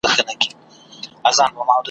لویه خدایه د پېړیو ویده بخت مو را بیدار کې ,